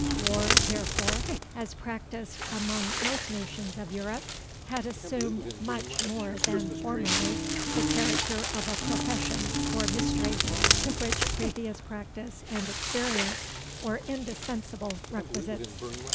War therefore, as practised among most nations of Europe, had assumed much more than formerly the character of a profession or mystery, to which previous practice and experience were indispensable requisites.